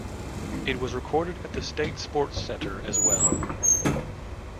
It was recorded at the State Sports Centre as well.